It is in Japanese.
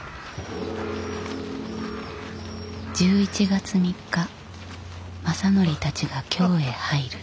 １１月３日政範たちが京へ入る。